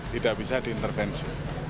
tidak bisa diintervensi